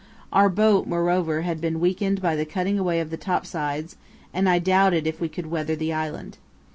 Our boat, moreover, had been weakened by the cutting away of the topsides, and I doubted if we could weather the island.